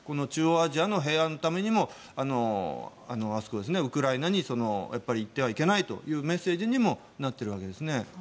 中央アジアの平和のためにもウクライナに行ってはいけないというメッセージにもなっているわけです。